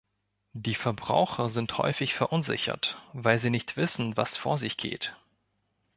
Die Verbraucher sind häufig verunsichert, weil sie nicht wissen, was vor sich geht.